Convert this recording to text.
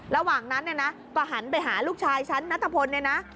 ระหว่างนั้นก็หันไปหาลูกชายฉันนัทธพล